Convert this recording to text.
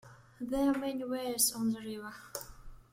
There are many weirs on the river.